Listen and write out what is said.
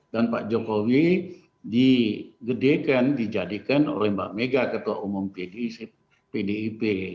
dan pak jokowi digedekan dijadikan oleh mbak mega ketua umum pdip